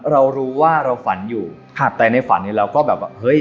เรารู้ว่าเราฝันอยู่ครับแต่ในฝันนี้เราก็แบบว่าเฮ้ย